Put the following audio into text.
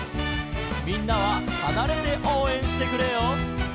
「みんなははなれておうえんしてくれよ」